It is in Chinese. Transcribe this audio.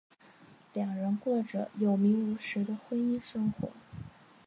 两人过着有名无实的婚姻生活。